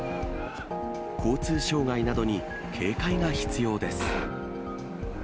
交通障害などに警戒が必要です。